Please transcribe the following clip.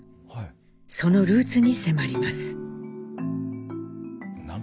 そのルーツに迫ります。